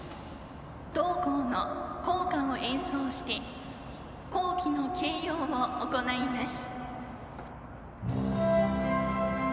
同校の校歌を演奏して校旗の掲揚を行います。